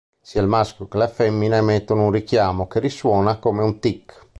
Sia il maschio che la femmina emettono un richiamo che risuona come un "tick".